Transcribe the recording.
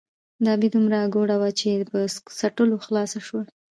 ـ د ابۍ دومره اګوره وه ،چې په څټلو خلاصه شوه.